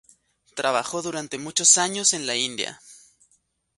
Trabajó durante muchos años en la India.